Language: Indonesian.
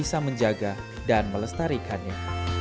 bisa menjaga dan melestarikannya